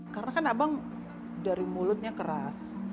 karena kan abang dari mulutnya keras